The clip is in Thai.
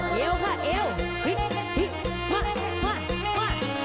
เดี๋ยวค่ะเดี๋ยว